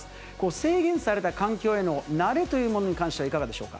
制限された環境への慣れというものに関してはいかがでしょうか。